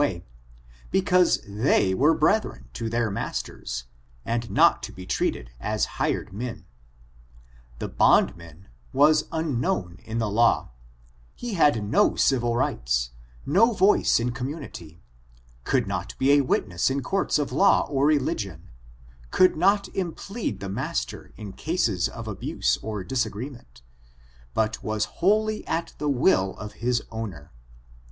139 way, because th^ were brethren^ to their masters, and not to be treated as hired men. The bondnum was unknown m law ; he had no cir il rights, no voice in community — could not be a wit ness in courts of law or religion — could not implead the master in cases of abuse or disagreement, but was wholly at the will of his owner.